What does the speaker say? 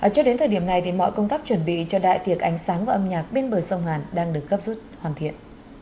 cho đến thời điểm này mọi công tác chuẩn bị cho đại tiệc ánh sáng và âm nhạc bên bờ sông hàn đang được gấp rút hoàn thiện